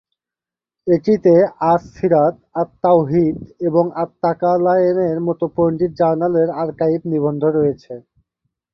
এটিতে "আস-সীরাত", "আত-তাওহীদ" এবং "আত-তাকালায়েনের" মতো পণ্ডিত জার্নালের আর্কাইভ নিবন্ধ রয়েছে।